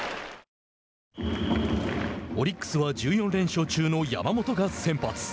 オリックスは１４連勝中の山本が先発。